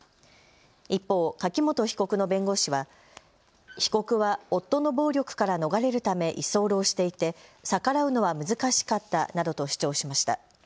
一方、柿本被告の弁護士は被告は夫の暴力から逃れるため居候していて、逆らうのは難しかったなどと主張しました。